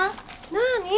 なに？